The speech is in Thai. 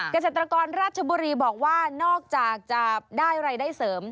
กระจกรรมราชบุรีบอกว่านอกจากจะได้อะไรได้เสริม